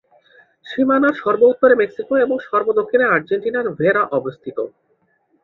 সীমানার সর্ব উত্তরে মেক্সিকো এবং সর্ব দক্ষিণে আর্জেন্টিনার ভেরা অবস্থিত।